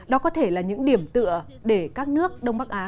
đó có thể là những điểm tựa để các nước đông bắc á